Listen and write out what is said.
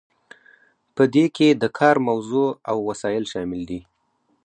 په دې کې د کار موضوع او وسایل شامل دي.